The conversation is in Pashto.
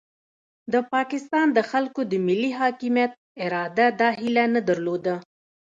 د پاکستان د خلکو د ملي حاکمیت اراده دا هیله نه درلوده.